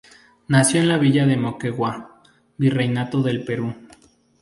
Nació en la Villa de Moquegua, Virreinato del Perú.